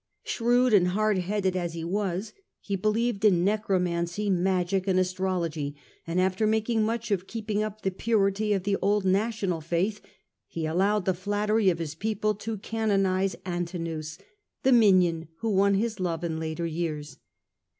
Shrewd and hardheaded as he was, he believed superstition, ,.,, 1 r m necromancy, magic, and astrology, and after making much of keeping up the purity of the old national faith, he allowed the flattery of his people to canonize Antinous, the minion who won his love in later years.